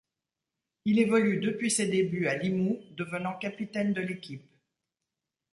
Il évolue depuis ses débuts à Limoux devenant capitaine de l'équipe.